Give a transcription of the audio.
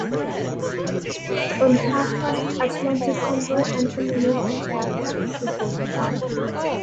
On her first Atlantic convoy an enemy air attack crippled her.